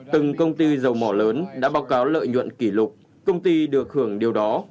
từng công ty dầu mỏ lớn đã báo cáo lợi nhuận kỷ lục công ty được hưởng điều đó